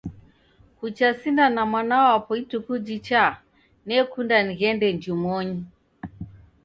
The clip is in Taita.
Kucha sinda na mwana wapo ituku jichaa, nekunda nighende njumonyi.